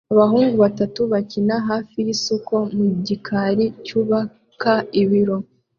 Abahungu batatu bakina hafi yisoko mu gikari cyubaka ibiro